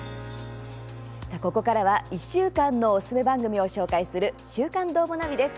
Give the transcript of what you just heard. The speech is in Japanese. ここからは１週間のおすすめ番組を紹介する「週刊どーもナビ」です。